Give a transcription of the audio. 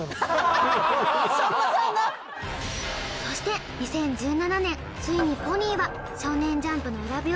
そして２０１７年ついにポニーは少年ジャンプの裏